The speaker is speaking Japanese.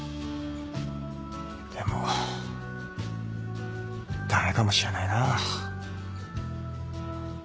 でも駄目かもしれないな。